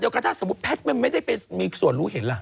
แต่กระทะสมมุติแพทย์ไม่ได้ไปมีส่วนรู้เห็นล่ะ